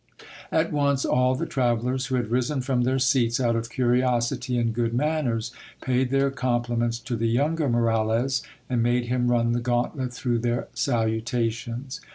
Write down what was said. At once all the travel lers, who had risen from their seats out of curiosity and good manners, paid their compliments to the younger Moralez, and made him run the gauntlet through their salutations.